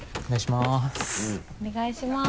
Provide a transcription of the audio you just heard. お願いします。